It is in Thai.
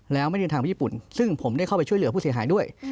แล้วไม่ได้เดินทางไปญี่ปุ่นซึ่งผมได้เข้าไปช่วยเหลือผู้เสียหายด้วย